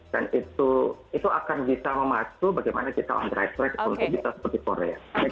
dan itu akan bisa memastu bagaimana kita on the right track untuk kita seperti korea